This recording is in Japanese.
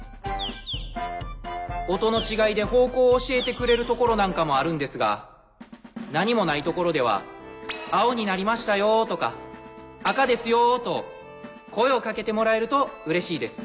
音の違いで方向を教えてくれる所なんかもあるんですが何もない所では「青になりましたよ」とか「赤ですよ」と声を掛けてもらえるとうれしいです。